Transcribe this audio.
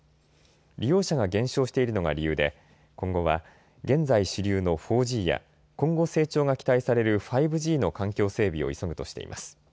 利用者が減少しているのが理由で今後は現在、主流の４Ｇや今後、成長が期待される５Ｇの環境整備を急ぐとしています。